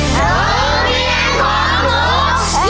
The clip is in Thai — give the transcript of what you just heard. รู้เมียของหนู